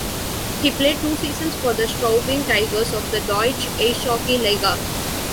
He played two seasons for the Straubing Tigers of the Deutsche Eishockey Liga.